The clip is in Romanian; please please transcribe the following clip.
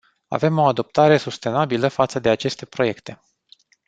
Avem o adoptare sustenabilă față de aceste proiecte.